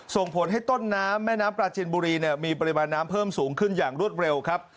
ส่งผลให้ต้นน้ำแม่น้ำปลาจินบุรีมีปริมาณน้ำเพิ่มสูงขึ้นอย่างรวดเร็วครับ